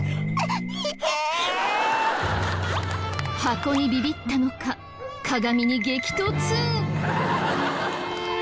箱にビビったのか鏡に激突！